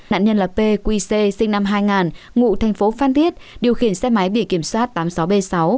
nạn nhân là p q c sinh năm hai nghìn ngụ thành phố phan thiết điều khiển xe máy bị kiểm soát tám mươi sáu b sáu bốn mươi bảy nghìn ba trăm hai mươi